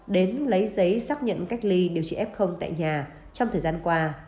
đến lấy giấy xác nhận cách ly điều trị f tại nhà trong thời gian qua